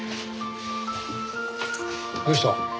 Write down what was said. どうした？